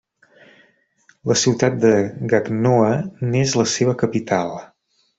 La ciutat de Gagnoa n'és la seva capital.